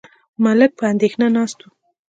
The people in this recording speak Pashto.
ملک په اندېښنه ناست و.